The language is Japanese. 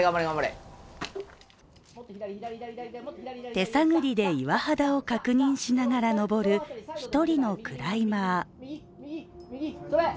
手探りで岩肌を確認しながら登る１人のクライマー。